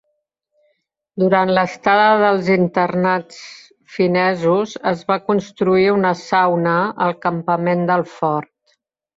Durant l'estada dels internats finesos, es va construir una sauna al campament del fort.